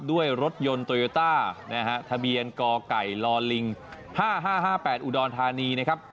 ด้วยรถยนต์โตโยต้านะฮะทะเบียนกไก่ลิง๕๕๘อุดรธานีนะครับ